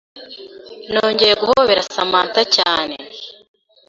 Nongeye guhobera Samantha cyane,